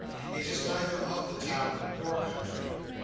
It is neither of the town nor country.